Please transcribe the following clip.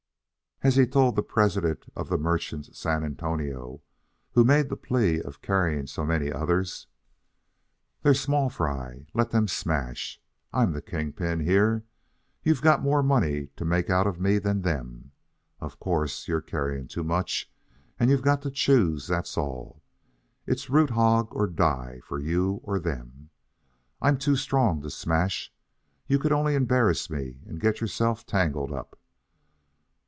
As he told the president of the Merchants San Antonio who made the plea of carrying so many others: "They're small fry. Let them smash. I'm the king pin here. You've got more money to make out of me than them. Of course, you're carrying too much, and you've got to choose, that's all. It's root hog or die for you or them. I'm too strong to smash. You could only embarrass me and get yourself tangled up.